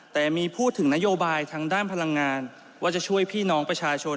แต่มีพูดถึงนโยบายทางด้านพลังงานว่าจะช่วยพี่น้องประชาชน